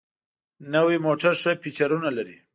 نوي موټر ښه فیچرونه لري.